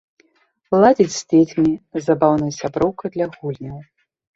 Ладзіць з дзецьмі, забаўная сяброўка для гульняў.